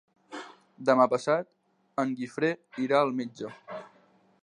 Demà passat en Guifré irà al metge.